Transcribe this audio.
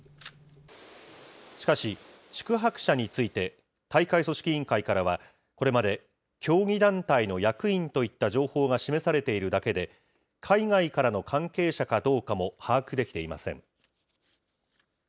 しかし、宿泊者について、大会組織委員会からは、これまで、競技団体の役員といった情報が示されているだけで、海外からの関係者かどうかも把握できていません。